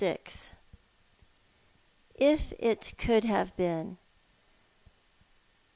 IF IT COULD HAVE BEEN.